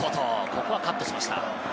外、ここはカットしました。